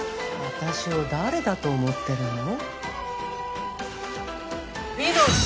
私を誰だと思ってるの？